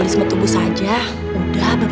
supaya dia baik